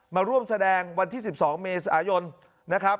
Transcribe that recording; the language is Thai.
มาร่วมแสดงวันที่๑๒เมษายนนะครับ